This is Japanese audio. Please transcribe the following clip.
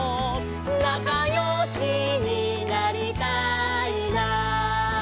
「なかよしになりたいな」